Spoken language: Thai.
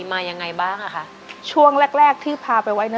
แข็งสุดในโลกนี่นะครับ